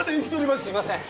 すいません